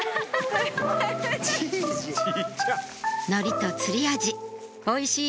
海苔と釣りアジおいしい